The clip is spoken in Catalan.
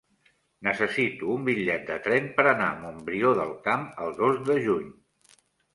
Necessito un bitllet de tren per anar a Montbrió del Camp el dos de juny.